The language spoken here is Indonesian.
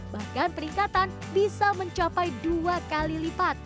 bahkan peningkatan bisa mencapai dua kali lipat